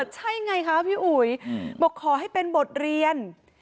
ใช่ไงคะพี่อุ๋ยบอกขอให้เป็นบทเรียน